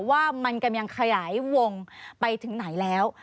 ว่ามันกำลังขยายวงไปถึงไหนแล้ว